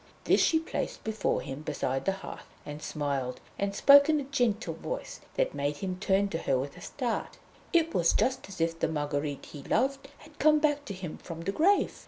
This she placed before him beside the hearth, and smiled, and spoke in a gentle voice that made him turn to her with a start it was just as if the Marguerite he loved had come back to him from the grave.